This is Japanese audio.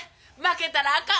負けたらあかん！